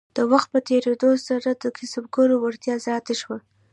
د وخت په تیریدو سره د کسبګرو وړتیا زیاته شوه.